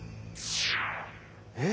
え！